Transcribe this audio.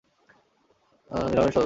গ্রামের সংখ্যা দশটি।